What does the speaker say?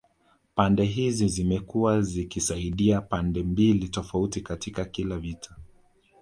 Pande hizi zimekuwa zikisaidia pande mbili tofauti katika kila vita